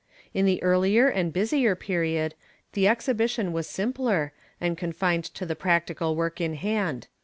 In the earlier and busier period, the exhibition was simpler, and confined to the practical work in hand.